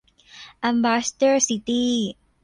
แอมบาสเดอร์ซิตี้